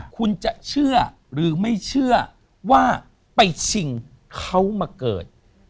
คุณจะเชื่อหรือไม่เชื่อว่าไปชิงเขามาเกิด